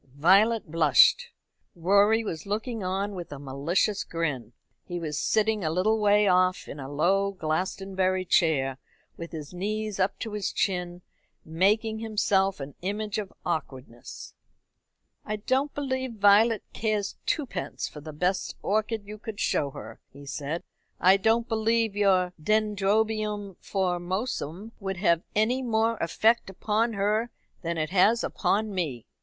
Violet blushed. Rorie was looking on with a malicious grin. He was sitting a little way off in a low Glastonbury chair, with his knees up to his chin, making himself an image of awkwardness. "I don't believe Violet cares twopence for the best orchid you could show her," he said. "I don't believe your Dendrobium Formosum would have any more effect upon her than it has upon me."